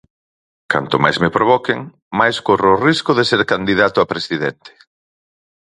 Canto máis me provoquen, máis corro o risco de ser candidato a presidente.